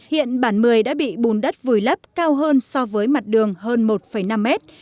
hiện bản mười đã bị bùn đất vùi lấp cao hơn so với mặt đường hơn một năm mét